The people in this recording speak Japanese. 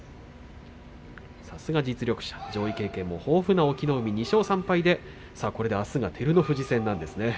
さすが実力者上位経験も豊富な隠岐の海２勝３敗であすは照ノ富士戦なんですね。